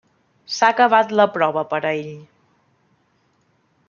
S'ha acabat la prova per a ell.